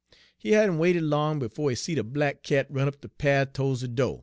He hadn' wait' long befo' he seed a black cat run up de path to'ds de do'.